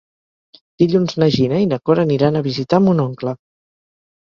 Dilluns na Gina i na Cora aniran a visitar mon oncle.